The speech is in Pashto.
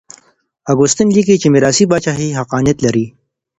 اګوستين ليکي چي ميراثي پاچاهي حقانيت لري.